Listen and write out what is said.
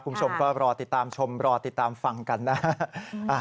คุณผู้ชมก็รอติดตามชมรอติดตามฟังกันนะฮะ